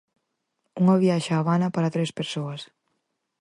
Unha viaxe á Habana para tres persoas.